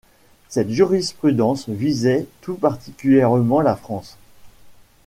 Cette jurisprudence visait tout particulièrement la France.